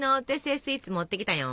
スイーツ持ってきたよん！